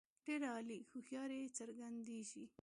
ډېره عالي هوښیاري څرګندیږي.